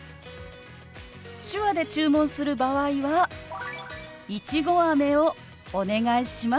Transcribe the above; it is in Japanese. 手話で注文する場合は「いちごあめをお願いします」となるわよ。